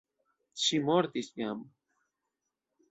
Ŝi mortis jam.